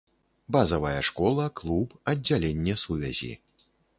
Базавая школа, клуб, аддзяленне сувязі.